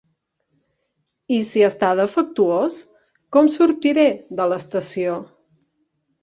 I si està defectuós com sortiré de l'estació?